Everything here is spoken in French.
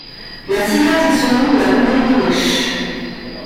La Sierra tire son nom de la couleur des roches.